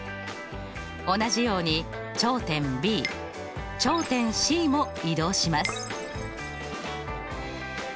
同じように頂点Ｂ頂点Ｃも移動します。